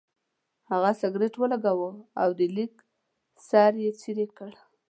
هغه سګرټ ولګاوه او د لیک سر یې څېرې کړ.